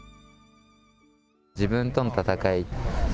自分との戦い。